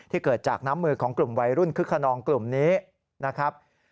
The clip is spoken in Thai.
เกิดจากน้ำมือของกลุ่มวัยรุ่นคึกขนองกลุ่มนี้นะครับ